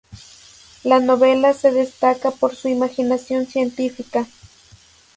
La novela se destaca por su imaginación científica.